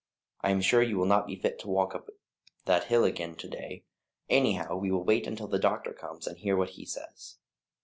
I am sure you will not be fit to walk up that hill again to day. Anyhow we will wait until the doctor comes and hear what he says."